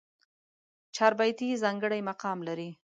چاربېتې ځانګړی مقام لري.